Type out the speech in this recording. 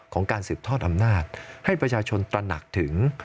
การสืบทอดอำนาจให้ประชาชนตระหนักถึง